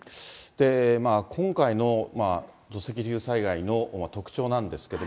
今回の土石流災害の特徴なんですけれども。